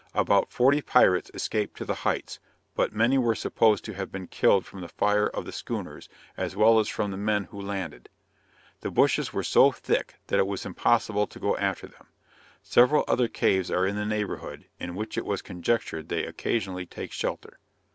About forty pirates escaped to the heights, but many were supposed to have been killed from the fire of the schooners, as well as from the men who landed. The bushes were so thick that it was impossible to go after them. Several other caves are in the neighborhood, in which it was conjectured they occasionally take shelter.